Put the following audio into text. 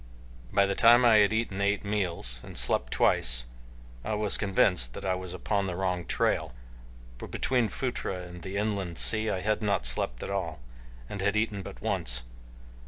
By the time I had eaten eight meals and slept twice I was convinced that I was upon the wrong trail, for between Phutra and the inland sea I had not slept at all, and had eaten but once.